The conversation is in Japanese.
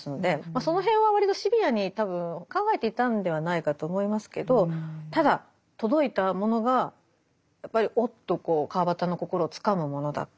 その辺は割とシビアに多分考えていたんではないかと思いますけどただ届いたものがやっぱりおっと川端の心をつかむものだった。